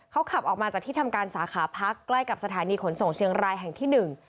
เขาขับออกมาจากที่ทำการสาขาพักใกล้กับสถานีขนส่งเชียงรายแห่งที่หนึ่ง